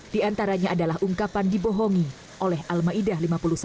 di antaranya adalah ungkapan dibohongi oleh almaidah lima puluh satu